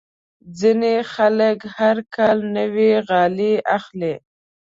ځینې خلک هر کال نوې غالۍ اخلي.